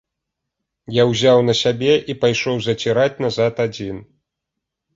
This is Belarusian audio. Я ўзяў на сябе і пайшоў заціраць назад адзін.